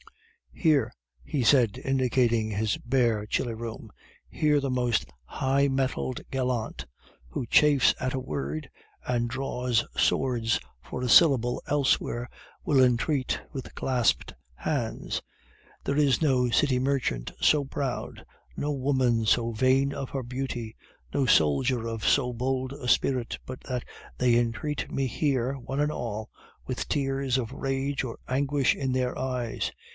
"'Here,' he said, indicating his bare, chilly room, 'here the most high mettled gallant, who chafes at a word and draws swords for a syllable elsewhere will entreat with clasped hands. There is no city merchant so proud, no woman so vain of her beauty, no soldier of so bold a spirit, but that they entreat me here, one and all, with tears of rage or anguish in their eyes.